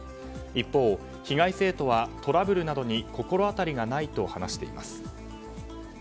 一方、被害生徒はトラブルなどに心当たりがないと話しています。